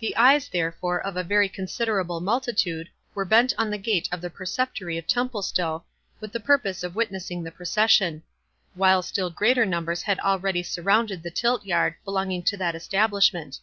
The eyes, therefore, of a very considerable multitude, were bent on the gate of the Preceptory of Templestowe, with the purpose of witnessing the procession; while still greater numbers had already surrounded the tiltyard belonging to that establishment.